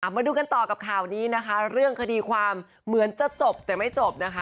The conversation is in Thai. มาดูกันต่อกับข่าวนี้นะคะเรื่องคดีความเหมือนจะจบแต่ไม่จบนะคะ